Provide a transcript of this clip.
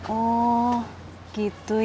oh gitu ya